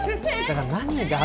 だから何が？